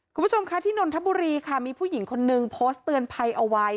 คุณผู้ชมคะที่นนทบุรีค่ะมีผู้หญิงคนนึงโพสต์เตือนภัยเอาไว้